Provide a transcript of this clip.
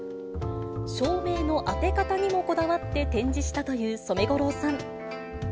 照明の当て方にもこだわって展示したという染五郎さん。